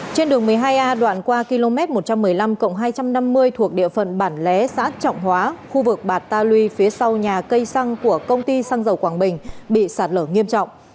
trên đường một mươi hai a đoạn qua km một trăm một mươi năm hai trăm năm mươi thuộc địa phận bản lé xã trọng hóa khu vực bạt ta lui phía sau nhà cây xăng của công ty xăng dầu quảng bình bị sạt lở nghiêm trọng